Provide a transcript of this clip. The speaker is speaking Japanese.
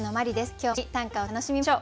今日も一緒に短歌を楽しみましょう。